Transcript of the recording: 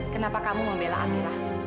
kenapa kamu membela amira